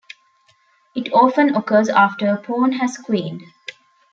It often occurs after a pawn has queened.